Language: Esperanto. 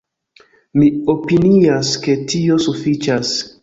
Mi opinias, ke tio sufiĉas!